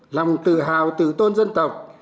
lòng tự hào tự tôn dân tộc